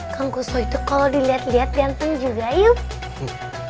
kang gusoy itu kalau dilihat lihat ganteng juga yuk